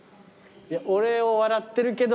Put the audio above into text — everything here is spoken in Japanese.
俺を笑ってるけど。